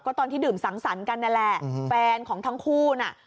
ตอนที่ดื่มสังสรรค์กันนั่นแหละแฟนของทั้งคู่น่ะ